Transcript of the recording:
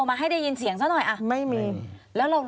ควิทยาลัยเชียร์สวัสดีครับ